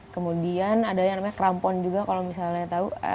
kemudian ada yang namanya crampon juga kalau misalnya tau